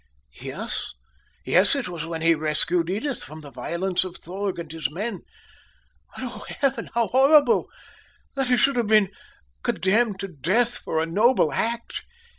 "Yes, yes, it was when he rescued Edith from the violence of Thorg and his men. But oh! heaven, how horrible! that he should have been condemned to death for a noble act!